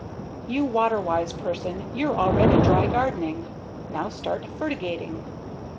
You water wise person you're already dry gardening now start fertigating.